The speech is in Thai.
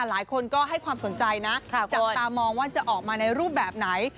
หลายคนก็ให้ความสนใจนะจับตามองว่าจะออกมาในรูปแบบไหน